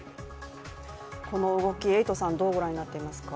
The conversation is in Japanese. この動き、エイトさんはどうご覧になっていますか？